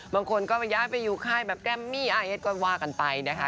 บางคนก็ย้ายไปอยู่ค่ายแบบแกมมี่อาร์เอสก็ว่ากันไปนะคะ